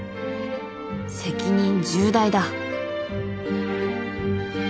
責任重大だ。